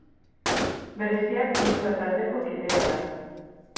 Bereziak blusa taldeko kidea da.